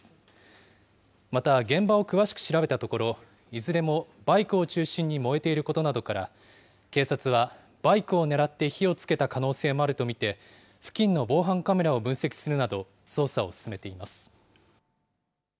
また、現場を詳しく調べたところ、いずれもバイクを中心に燃えていることなどから、警察は、バイクを狙って火をつけた可能性もあると見て、付近の防犯カメラを分析するなど捜査を進めています。